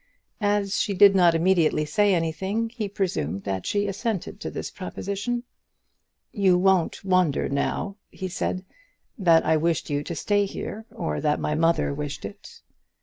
As she did not immediately say anything, he presumed that she assented to this proposition. "You won't wonder now," he said, "that I wished you to stay here, or that my mother wished it."